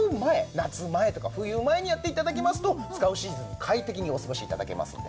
夏前とか冬前にやって頂きますと使うシーズンに快適にお過ごし頂けますんで。